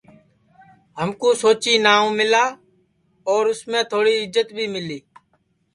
ہمکو سوچی ناو ملا اور اُس میں تھوڑی عزت بھی ملی